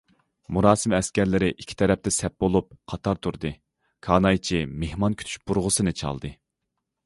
مۇراسىم ئەسكەرلىرى ئىككى تەرەپتە سەپ بولۇپ قاتار تۇردى، كانايچى مېھمان كۈتۈش بۇرغىسىنى چالدى.